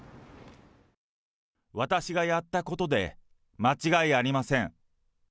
私がやったことで間違いありません。